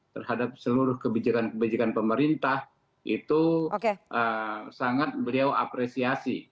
terhadap seluruh kebijakan kebijakan pemerintah itu sangat beliau apresiasi